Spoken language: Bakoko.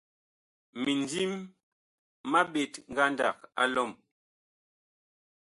Mindim ma ɓet ngandag a lɔm.